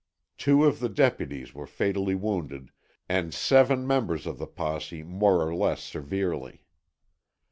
Two of the deputies were fatally wounded and seven members of the posse more or less severely.